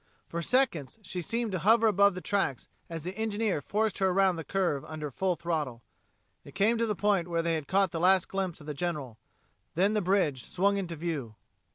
For seconds she seemed to hover above the tracks as the engineer forced her around the curve under full throttle. They came to the point where they had caught the last glimpse of the General; then the bridge swung into view.